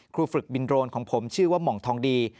ฝึกบินโรนของผมชื่อว่าห่องทองดี